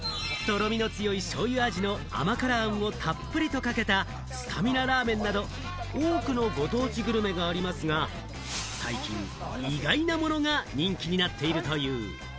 とろみの強いしょうゆ味の甘辛あんをたっぷりとかけたスタミナラーメンなど、多くのご当地グルメがありますが、最近、意外なものが人気になっているという。